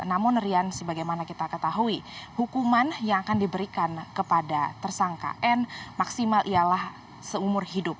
namun rian sebagaimana kita ketahui hukuman yang akan diberikan kepada tersangka n maksimal ialah seumur hidup